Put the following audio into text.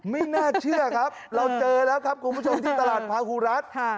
ไม่น่าเชื่อครับเราเจอแล้วครับคุณผู้ชมที่ตลาดพาหูรัฐ